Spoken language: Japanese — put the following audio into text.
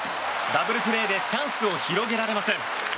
ダブルプレーでチャンスを広げられません。